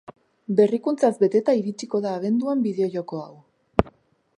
Berrikuntzaz beteta iritsiko da abenduan bideo-joko hau.